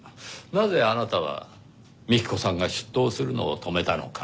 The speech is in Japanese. なぜあなたは幹子さんが出頭するのを止めたのか。